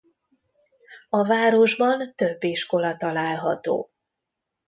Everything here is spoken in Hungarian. A városban több iskola található.